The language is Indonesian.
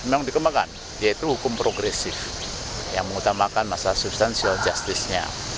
yang dikembangkan yaitu hukum progresif yang mengutamakan masalah keadilan